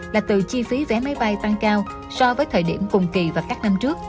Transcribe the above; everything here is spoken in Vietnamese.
là từ chi phí vé máy bay tăng cao so với thời điểm cùng kỳ và các năm trước